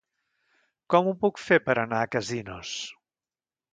Com ho puc fer per anar a Casinos?